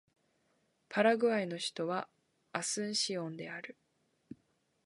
パラグアイの首都はアスンシオンである